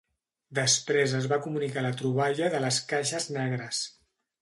Després es va comunicar la troballa de les caixes negres.